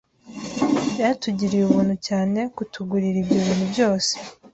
Byatugiriye ubuntu cyane kutugurira ibyo bintu byose.